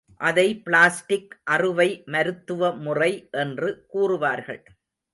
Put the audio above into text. அதை பிளாஸ்டிக் அறுவை மருத்துவ முறை என்று கூறுவார்கள்.